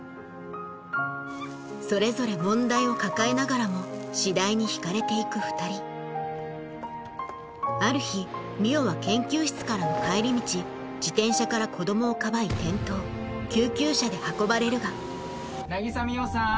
それぞれ問題を抱えながらも次第に惹かれて行く２人ある日海音は研究室からの帰り道自転車から子供をかばい転倒救急車で運ばれるが渚海音さん。